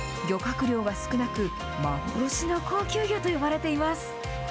漁獲量が少なく、幻の高級魚と呼ばれています。